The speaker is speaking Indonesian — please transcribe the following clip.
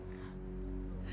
pada saat yang ternever ini